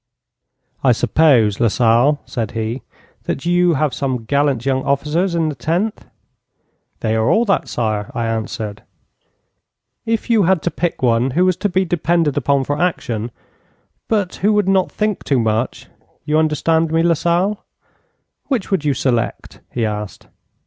'"I suppose, Lasalle," said he, "that you have some gallant young officers in the Tenth?" '"They are all that, sire," I answered. '"If you had to pick one who was to be depended upon for action, but who would not think too much you understand me, Lasalle which would you select?" he asked.